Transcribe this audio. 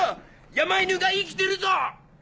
山犬が生きてるぞ！